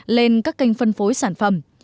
lên các kênh phân phối sản phẩm